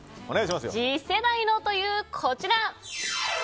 次世代のというこちら！